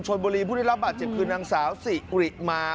ชนบุรีผู้ได้รับบาดเจ็บคือนางสาวสิริมา